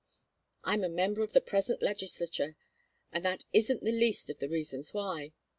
I'm a member of the present legislature and that isn't the least of the reasons why.